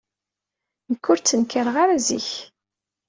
Nekk ur ttenkareɣ ara zik.